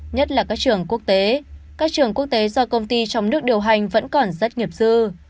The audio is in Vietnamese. nhất là các trường quốc tế các trường quốc tế do công ty trong nước điều hành vẫn còn rất nghiệp dư